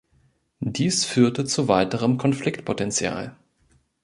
Dies führte zu weiterem Konfliktpotential.